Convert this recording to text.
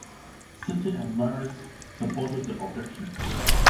City and Marist supported the objection.